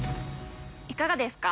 いかがですか？